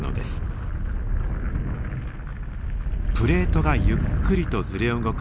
プレートがゆっくりとずれ動く